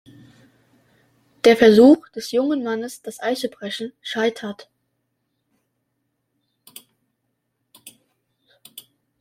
Der Versuch des jungen Mannes, das Eis zu brechen, scheitert.